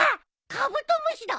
カブトムシだ。